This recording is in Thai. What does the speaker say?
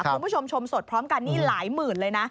คุณผู้ชมชมสดพร้อมกันนี่หลายหมื่นเลยนะ